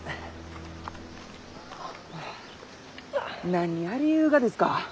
何やりゆうがですか？